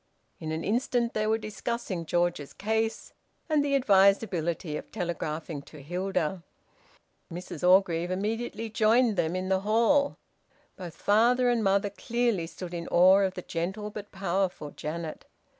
In an instant they were discussing George's case, and the advisability of telegraphing to Hilda. Mrs Orgreave immediately joined them in the hall. Both father and mother clearly stood in awe of the gentle but powerful Janet.